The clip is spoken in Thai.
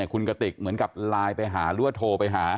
คุณกติกเหมือนกับไลน์ไปหาหรือว่าโทรไปหา